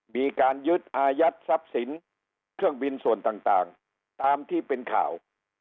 มีการยึดอายัดทรัพย์สินเครื่องบินส่วนต่างตามที่เป็นข่าว